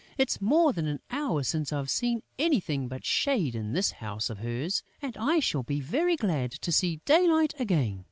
It's more than an hour since I've seen anything but shade in this house of hers; and I shall be very glad to see daylight again.